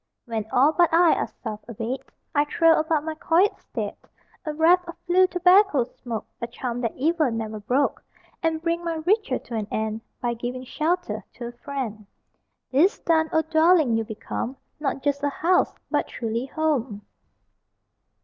When all but I are soft abed I trail about my quiet stead A wreath of blue tobacco smoke (A charm that evil never broke) And bring my ritual to an end By giving shelter to a friend. These done, O dwelling, you become Not just a house, but truly Home!